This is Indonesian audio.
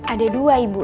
ada dua ibu